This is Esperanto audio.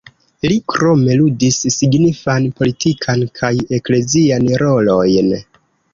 Li krome ludis signifan politikan kaj eklezian rolojn.